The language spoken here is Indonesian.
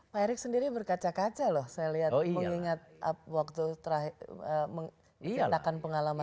pak erick sendiri berkaca kaca loh saya lihat mengingat waktu terakhir mengatakan pengalaman